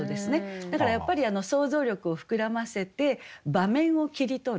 だからやっぱり想像力を膨らませて場面を切り取る。